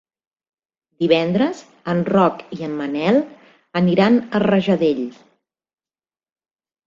Divendres en Roc i en Manel aniran a Rajadell.